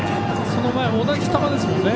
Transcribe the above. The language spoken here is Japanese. その前、同じ球ですもんね。